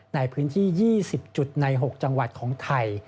ในพื้นที่๒๐จุดใน๖จังหวัดของไทย